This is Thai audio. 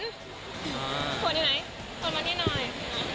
ฝนอยู่ไหนฝนมาที่ไหน